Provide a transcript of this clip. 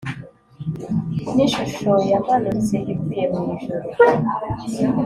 n ishusho yamanutse ivuye mu ijuru